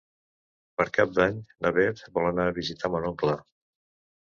Per Cap d'Any na Bet vol anar a visitar mon oncle.